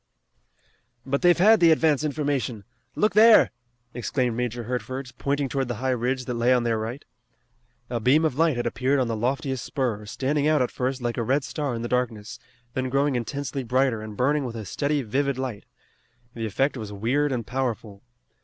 "But they've had the advance information! Look there!" exclaimed Major Hertford, pointing toward the high ridge that lay on their right. A beam of light had appeared on the loftiest spur, standing out at first like a red star in the darkness, then growing intensely brighter, and burning with a steady, vivid light. The effect was weird and powerful.